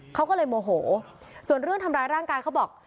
เขาก็เลยโมโหส่วนเรื่องทำร้ายร่างกายเขาบอก